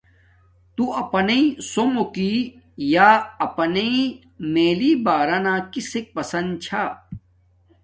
تو اپناݵ سوموک یا اپانی میلی بارانا کسک پسند چھا؟